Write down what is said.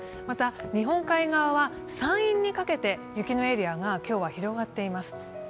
また日本海側は山陰にかけて雪のエリアが今日は広がっています。